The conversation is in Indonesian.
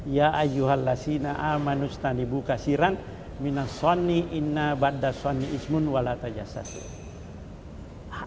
ya ayyuhalla sinna amanustani buka sirang minna shonni inna badda shonni ismun walata yassasih